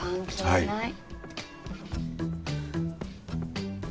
はい。